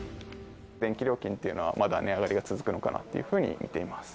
電気料金というのは、まだ値上がりが続くのかなっていうふうに見ています。